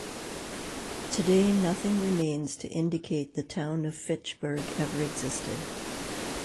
Today nothing remains to indicate the town of Fitchburg ever existed.